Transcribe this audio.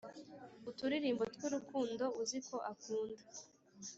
uturirimbo tw’urukundo uziko akunda,